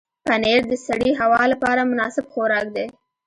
پنېر د سړې هوا لپاره مناسب خوراک دی.